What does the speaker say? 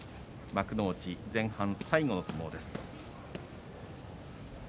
幕内、前半最後の相撲です。